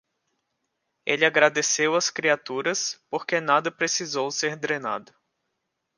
Ele agradeceu às criaturas, porque nada precisou ser drenado.